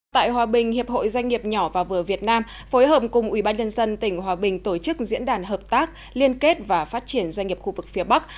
tại hòa bình hiệp hội doanh nghiệp nhỏ và vừa việt nam phối hợp cùng ubnd tỉnh hòa bình tổ chức diễn đàn hợp tác liên kết và phát triển doanh nghiệp khu vực phía bắc